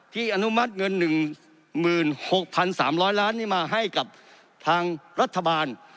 อนุมัติเงิน๑๖๓๐๐ล้านนี้มาให้กับทางรัฐบาล